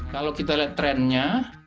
kalau kita lihat trennya